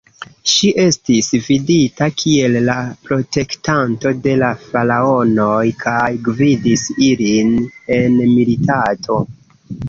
Ŝi estis vidita kiel la protektanto de la faraonoj kaj gvidis ilin en militado.